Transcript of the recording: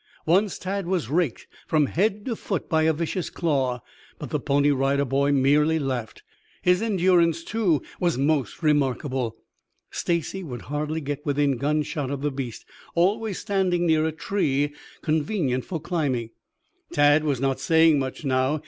Once Tad was raked from head to foot by a vicious claw, but the Pony Rider boy merely laughed. His endurance, too, was most remark able. Stacy would hardly get within gun shot of the beast, always standing near a tree convenient for climbing. Tad was not saying much now.